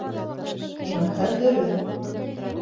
Уныһы дөрөҫ.